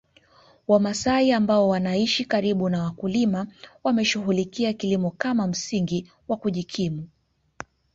Wamasai ambao wanaishi karibu na wakulima wameshughulikia kilimo kama msingi wa kujikimu